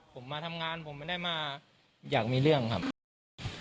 ผมมาทำงานผมไม่ได้มาอยากมีเรื่องครับ